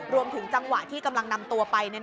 รวมถึงจังหวะที่กำลังนำตัวไป